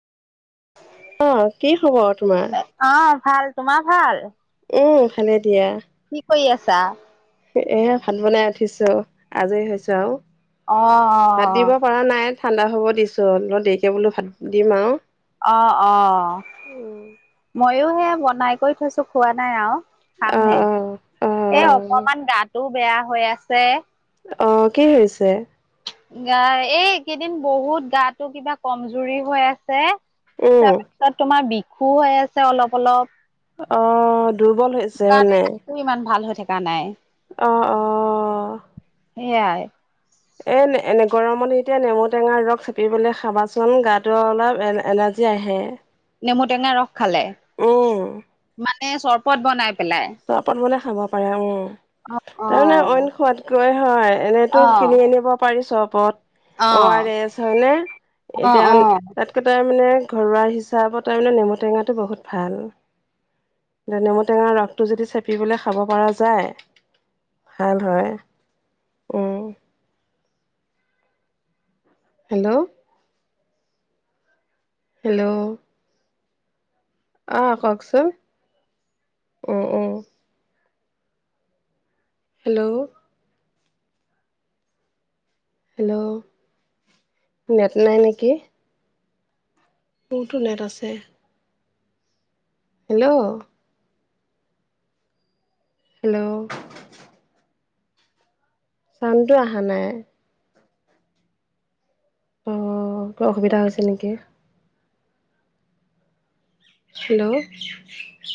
অ, কি খবৰ তোমাৰ? অ ভাল, তোমাৰ ভাল এহ, ভালে দিয়া কি কৰি আছা? এইয়া ভাত বনাই উঠিছো আৰু আজৰি হৈছোঁ আৰু অহ, অহ, অহ ভাত দিব পৰা নাই, ঠাণ্ডা হ'ব দিছো, অলপ দেৰিকে বোলো ভাতটো দিম আৰু অহ, অহ অ', মইয়ো হে বনাই কৰি থৈছো খোৱা নাই আৰু খামহে, অ', এই অ', অকমান গাটোও বেয়া হৈ আছে। অহ, কি হৈছে? ইয়াৰ, এই একেইদিন বহুত গাতো কিবা কমজুৰি হৈ আছে, উম, তাৰপৰা তাত তোমাৰ বিষো হৈ আছে, অলপ অলপ অহ, দুৰ্বল হৈছে মানে একো ইমান ভাল হৈ থাকা নাই। অহ, অহ এয়াই এহ, এনে গৰমত এতিয়া নেমু টেঙাৰ ৰস চেপি পেলাই খাবাচোন, গাতো অলপ এনাৰ্জি যে যাহে নেমু টেঙাৰ ৰস খালে। উহ মানে চৰ্বত বনাই পেলাই চৰ্বত বনাই খাব পাৰে উম, অ' তাৰমানে অ' অইন খোৱাতকৈ হয়। এনেইতো অ' কিনি আনিব পাৰি চৰ্বত অও আৰ অ' এছ হয় নে? অ' এতিয়া অ' মানে তাৰ মানে, ঘৰুৱা হিচাপত তাৰ মানে নেমু টেঙাটো বহুত ভাল। এতিয়া নেমুটেঙাৰ ৰস সেইটো যদি চেপিপেলায় খাব পৰা যায়, ভাল হয়, উম। হেল্ল হেল্ল' আ কওকচোন, উম উম হেল্ল' হেল্ল', নেট নাই নেকি মোৰটো নেট আছে। হেল্ল' হেল্ল' চাউনতোয়ে আহা নাই। অহ, কিবা অসুবিধা হৈছে নেকি? হেল্ল'